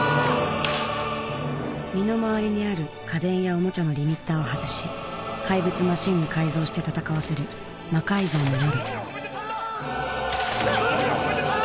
身の回りにある家電やおもちゃのリミッターを外し怪物マシンに改造して戦わせる「魔改造の夜」